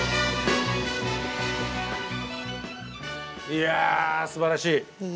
いやあすばらしい。